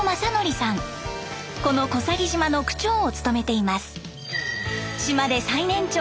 この小佐木島の区長を務めています。